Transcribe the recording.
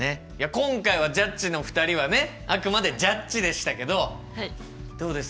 今回はジャッジの２人はねあくまでジャッジでしたけどどうです？